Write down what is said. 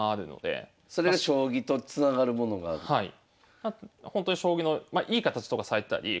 はい。